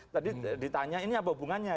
tadi ditanya ini apa hubungannya